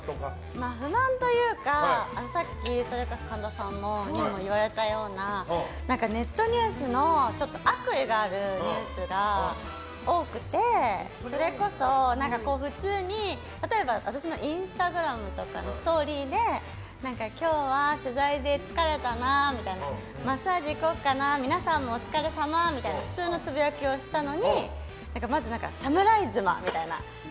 不満というか、さっきそれこそ神田さんにも言われたようなネットニュースの悪意があるニュースが多くて、それこそ普通に例えば、私のインスタグラムのストーリーで今日は取材で疲れたな、みたいなマッサージ行こうかな皆さんもお疲れさまって普通のつぶやきをしたのにまず、侍妻みたいな。